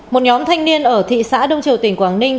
một nhóm thanh niên ở thị xã đông triều tỉnh quảng ninh